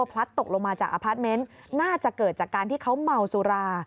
พลัดตกลงมาจากอพาร์ทเมนต์น่าจะเกิดจากการที่เขาเมาสุรา